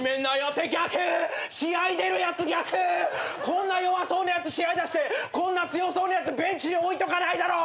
こんな弱そうなやつ試合出してこんな強そうなやつベンチに置いとかないだろ！